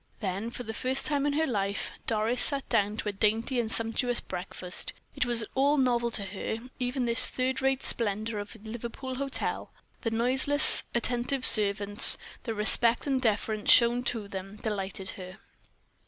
Then, for the first time in her life, Doris sat down to a dainty and sumptuous breakfast. It was all novel to her, even this third rate splendor of a Liverpool hotel. The noiseless, attentive servants the respect and deference shown to them delighted her.